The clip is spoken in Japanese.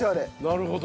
なるほど。